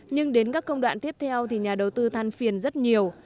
nhưng đến các công đoạn tiếp theo thì nhà đầu tư than phiền rất nhiều